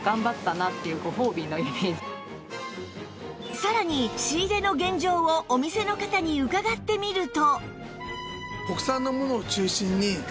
さらに仕入れの現状をお店の方に伺ってみると